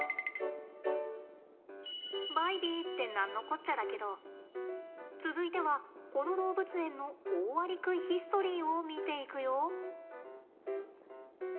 バイビーって何のこっちゃだけど続いてはこの動物園のオオアリクイヒストリーを見ていくよ。